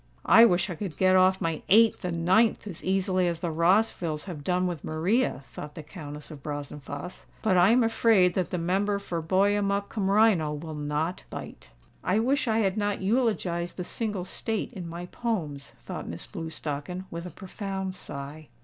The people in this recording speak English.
"I wish I could get off my eighth and ninth as easily as the Rossvilles have done with Maria," thought the Countess of Brazenphace. "But I am afraid that the member for Buyemup cum Rhino will not bite." "I wish I had not eulogised the single state in my poems," thought Miss Blewstocken, with a profound sigh.